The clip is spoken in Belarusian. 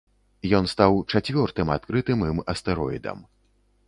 Ён стаў чацвёртым адкрытым ім астэроідам.